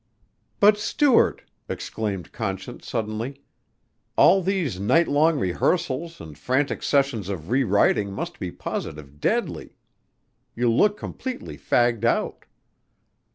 "But, Stuart," exclaimed Conscience suddenly, "all these night long rehearsals and frantic sessions of rewriting must be positive deadly. You look completely fagged out."